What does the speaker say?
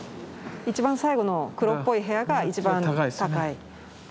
一番最後の黒っぽい部屋が一番高い。